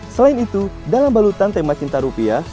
selain itu dalam balutan tema cinta rupiah